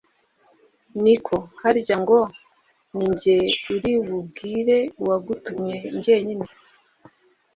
niko! harya ngo ninjye uribubwire uwagutumye njyenyine!